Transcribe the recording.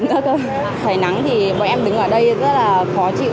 trời nắng thì bọn em đứng ở đây rất là khó chịu